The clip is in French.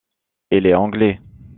Il est Anglais.